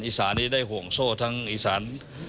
อีสานนี้ได้ห่วงโซ่ทั้งอีสาน